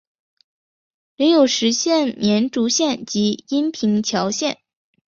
领有实县绵竹县及阴平侨县。